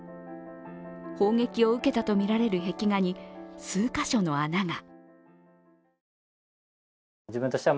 砲撃を受けたとみられる壁画に数カ所の穴が。